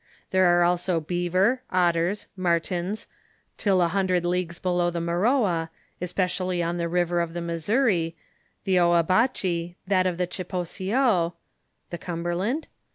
There are also beaver, otters, martens, till a hundred leagues below the Maroa, es pecially in the river of the Missouri, the Ouabache, that of the Chepousseau (the Oumberland?)